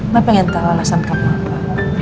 bapak pengen tahu alasan kamu apa